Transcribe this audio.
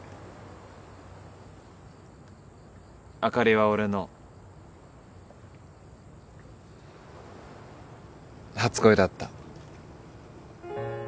あかりは俺の初恋だった。